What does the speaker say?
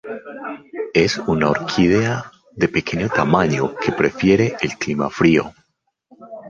Es una orquídea de pequeño tamaño que prefiere el clima frío.